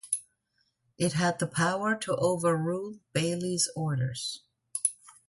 It had the power to overrule Bailie's orders.